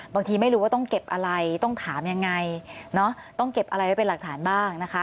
ไม่รู้ว่าต้องเก็บอะไรต้องถามยังไงต้องเก็บอะไรไว้เป็นหลักฐานบ้างนะคะ